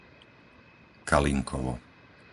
Kalinkovo